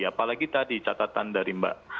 apalagi tadi catatan dari mbak